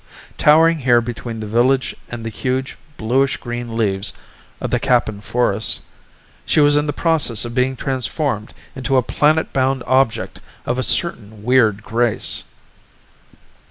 Towering here between the village and the huge, bluish green leaves of the Kappan forest, she was in the process of being transformed into a planet bound object of a certain weird grace.